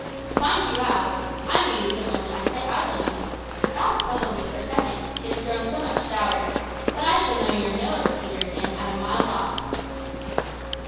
"Find you out! I knew you the moment I set eyes on you. Ralph puzzled me for a second, he has grown so much stouter; but I should know your nose, Peterkin, at a mile off."